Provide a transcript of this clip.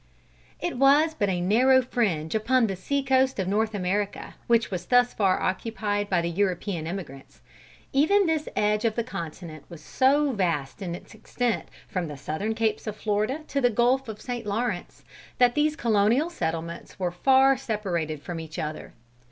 It was but a narrow fringe upon the sea coast of North America, which was thus far occupied by the European emigrants. Even this edge of the continent was so vast in its extent, from the southern capes of Florida to the gulf of St. Lawrence, that these colonial settlements were far separated from each other.